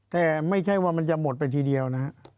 แต่ไม่ใช่ว่ามันจะหมดไปทีเดียวนะฮะ